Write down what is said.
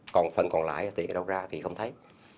còn phần còn lại thì đâu ra thì không thấy